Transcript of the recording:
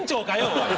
おい。